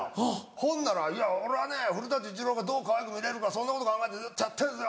ほんなら「いや俺はね古伊知郎がどうかわいく見れるかそんなこと考えてやってんすよ！